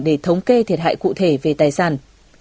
để thống kê thiệt hại cụ thể về tài sản